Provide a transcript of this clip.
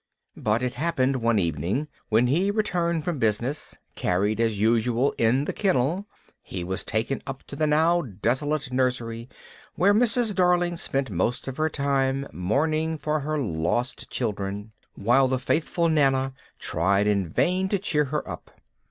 But it happened one evening, when he returned from business, carried as usual in the kennel, he was taken up to the now desolate nursery, where Mrs. Darling spent most of her time mourning for her lost children, while the faithful Nana tried in vain to cheer her up.